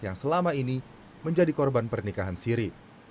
yang selama ini menjadi korban pernikahan siri